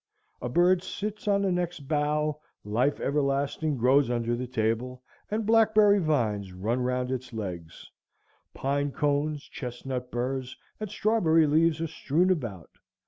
A bird sits on the next bough, life everlasting grows under the table, and blackberry vines run round its legs; pine cones, chestnut burs, and strawberry leaves are strewn about.